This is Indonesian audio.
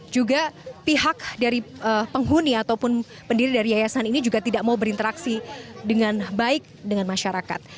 juga pihak dari penghuni ataupun pendiri dari yayasan ini juga tidak mau berinteraksi dengan baik dengan masyarakat